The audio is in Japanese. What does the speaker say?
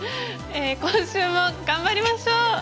今週も頑張りましょう！